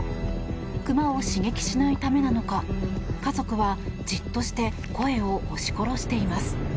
クマを刺激しないためなのか家族は、じっとして声を押し殺しています。